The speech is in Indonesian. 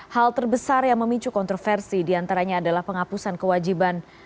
hal terbesar yang memicu kontroversi diantaranya adalah penghapusan kewajiban